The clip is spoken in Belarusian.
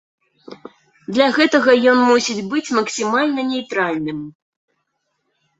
Для гэтага ён мусіць быць максімальна нейтральным.